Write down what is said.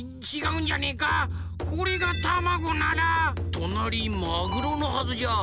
となりマグロのはずじゃ。